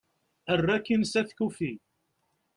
err akin s at kufi